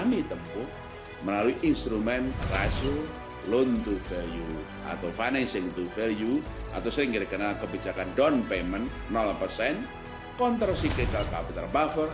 kami tempuh melalui instrumen rasio loan to value atau financing to value atau sering dikenal kebijakan down payment kontroksik digital capital buffer